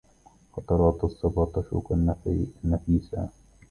خطرات الصبا تشوق النفيسا